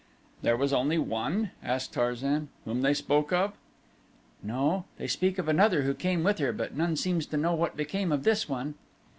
"There was only one," asked Tarzan, "whom they spoke of?" "No, they speak of another who came with her but none seems to know what became of this one."